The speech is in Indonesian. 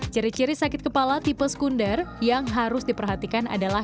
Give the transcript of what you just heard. ciri ciri sakit kepala tipe sekunder yang harus diperhatikan adalah